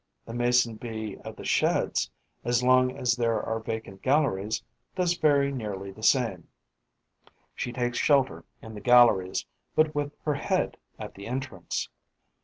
The Mason bee of the Sheds, as long as there are vacant galleries, does very nearly the same: she takes shelter in the galleries, but with her head at the entrance.